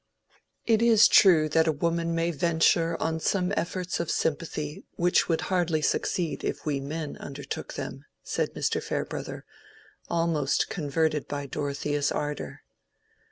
"It is true that a woman may venture on some efforts of sympathy which would hardly succeed if we men undertook them," said Mr. Farebrother, almost converted by Dorothea's ardor.